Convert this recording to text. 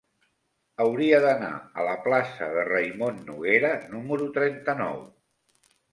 Hauria d'anar a la plaça de Raimon Noguera número trenta-nou.